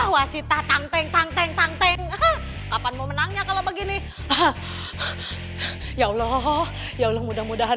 wasita tanteng tanteng tangteng kapan mau menangnya kalau begini ya allah ya allah mudah mudahan